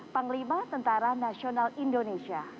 panglima tentara nasional indonesia